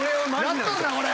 やっとんなこれ。